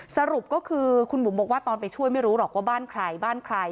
สรุปก็คือคุณบุ๋มบอกว่าตอนไปช่วยไม่รู้หรอกว่าบ้านใครบ้านใคร